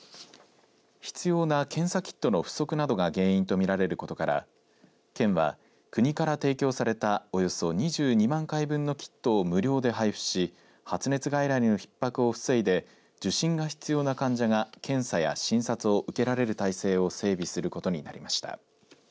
必要な検査キットの不足などが原因と見られることから県は国から提供されたおよそ２２万回分のキットを無料で配布し発熱外来のひっ迫を防いで受診が必要な患者が検査や診察を受けられる体制を整備することになりました。